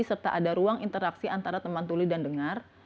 serta ada ruang interaksi antara teman tuli dan dengar